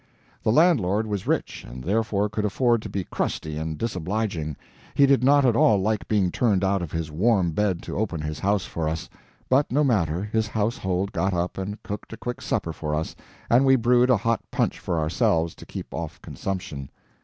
The landlord was rich, and therefore could afford to be crusty and disobliging; he did not at all like being turned out of his warm bed to open his house for us. But no matter, his household got up and cooked a quick supper for us, and we brewed a hot punch for ourselves, to keep off consumption.